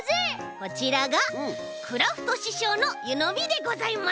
こちらがクラフトししょうのゆのみでございます。